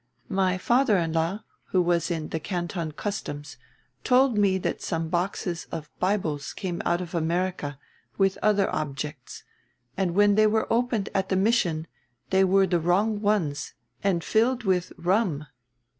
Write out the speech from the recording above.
My father in law, who was in the Canton Customs, told me that some boxes of Bibles came out from America, with other objects, and when they were opened at the Mission they were the wrong ones and filled with rum."